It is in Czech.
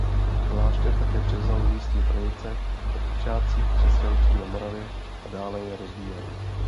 Klášter také převzal místní tradice o počátcích křesťanství na Moravě a dále je rozvíjel.